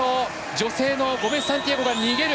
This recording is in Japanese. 女性のゴメスサンティアゴが逃げる！